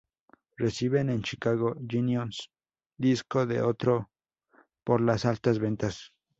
Reciben en Chicago, Illinois disco de oro por las altas ventas.